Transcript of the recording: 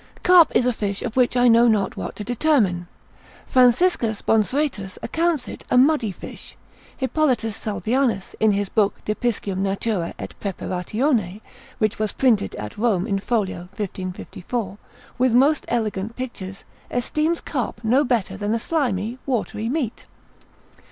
Carp is a fish of which I know not what to determine. Franciscus Bonsuetus accounts it a muddy fish. Hippolitus Salvianus, in his Book de Piscium natura et praeparatione, which was printed at Rome in folio, 1554, with most elegant pictures, esteems carp no better than a slimy watery meat.